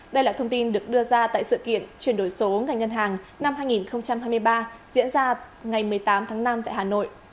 đây là thông tin được đưa ra tại sự kiện chuyển đổi số ngành ngân hàng năm hai nghìn hai mươi ba diễn ra ngày một mươi tám tháng năm tại hà nội